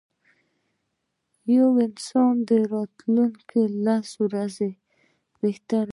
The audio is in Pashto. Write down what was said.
یوه نن ورځ د راتلونکو لسو ورځو بهتره ده.